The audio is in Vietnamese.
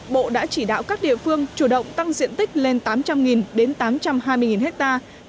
bộ đã chỉ đạo các địa phương chủ động tăng diện tích lên tám trăm linh đến tám trăm hai mươi hectare